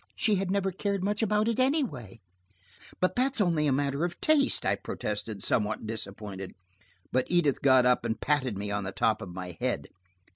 She had never cared much about it anyway." "But that's only a matter of taste," I protested, somewhat disappointed. But Edith got up and patted me on the top of my head.